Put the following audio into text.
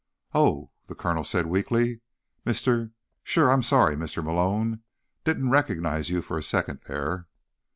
"Oh," the colonel said weakly. "Mr.—sure. I'm sorry, Mr. Malone. Didn't recognize you for a second there."